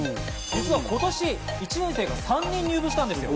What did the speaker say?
実は今年、１年生が３人入部したんですよ。